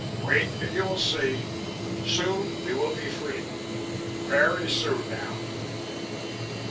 "Wait and you will see. Soon we will be free. Very soon now."